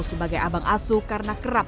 sebagai abang asuh karena kerap